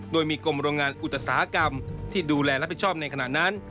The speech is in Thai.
โดยมีกรมโรงงานอุตสาหกรรมที่ดูแลรับผิดชอบในขณะนั้น